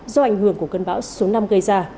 do ảnh hưởng của cơn bão số năm gây ra